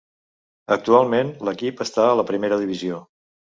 Actualment, l'equip està a la primera divisió.